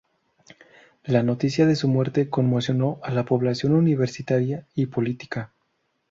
La noticia de su muerte conmocionó a la población universitaria y política.